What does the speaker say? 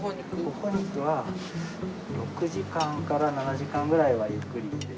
ほほ肉は６時間から７時間ぐらいはゆっくり。